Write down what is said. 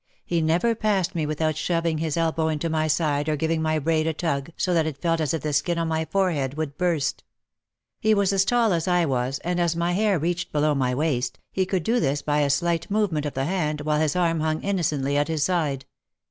He never passed me without shoving his elbow into my side or giving my braid a tug so that it felt as if the skin on my forehead would burst. He was as tall as I was and as my hair reached below my waist, he could do this by a slight movement of the hand while his arm hung innocently at his side.